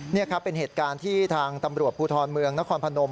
นี่ครับเป็นเหตุการณ์ที่ทางตำรวจภูทรเมืองนครพนม